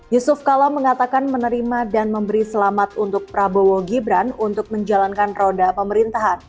yusuf kala mengatakan menerima dan memberi selamat untuk prabowo gibran untuk menjalankan roda pemerintahan